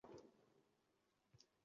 Yo’l chetida